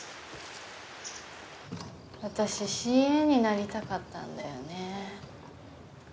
私ＣＡになりたかったんだよね